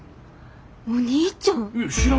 お兄ちゃん？